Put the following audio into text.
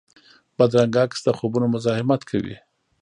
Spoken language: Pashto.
بدرنګه عکس د خوبونو مزاحمت کوي